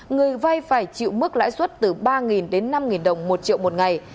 người vay phải chịu mức lãi suất từ ba đến năm đồng một triệu một ngày